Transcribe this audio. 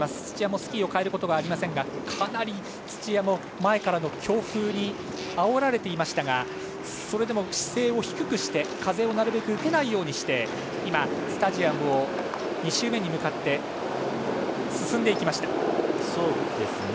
土屋もスキーをかえることはありませんがかなり土屋も前からの強風にあおられていましたがそれでも姿勢を低くして風をなるべく受けないようにしてスタジアムを出て２周目に向かって進んでいきました。